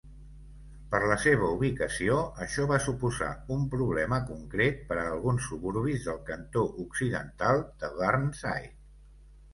Per la seva ubicació, això va suposar un problema concret per a alguns suburbis del cantó occidental de Burnside.